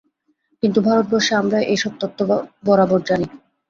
কিন্তু ভারতবর্ষে আমরা এ- সব তত্ত্ব বরাবর জানি।